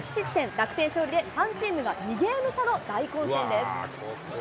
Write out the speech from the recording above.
楽天勝利で、３チームが２ゲーム差の大混戦です。